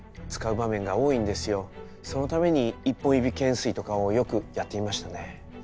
そのために一本指懸垂とかをよくやっていましたね。